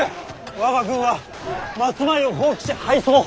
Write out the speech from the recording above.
我が軍は松前を放棄し敗走。